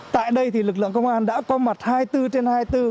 tại đây thì lực lượng công an đã có mặt hai mươi bốn trên hai mươi bốn